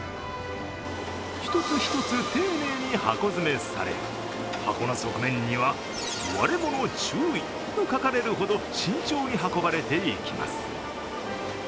一つ一つ丁寧に箱詰めされ、箱の側面にはワレモノ注意と書かれるほど慎重に運ばれていきます。